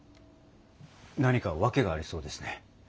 何か訳がありそうですね。